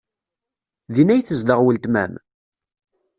Din ay tezdeɣ weltma-m?